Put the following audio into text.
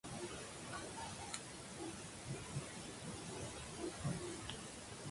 El clima: por su altitud esta tierra tiene inviernos fríos y veranos suaves.